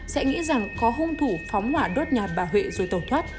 sẽ nghĩ rằng có hung thủ phóng hỏa đốt nhà bà huệ rồi tẩu thoát